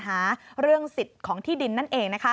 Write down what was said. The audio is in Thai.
บริเวณที่มีข้อพิพาทกันขึ้น